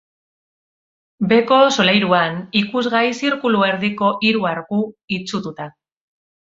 Beheko solairuan, ikusgai zirkulu erdiko hiru arku, itsututa.